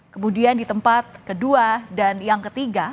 kemudian di tempat kedua dan yang ketiga